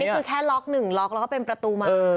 อันนี้คือแค่ล็อคหนึ่งล็อคแล้วก็เป็นประตูไม้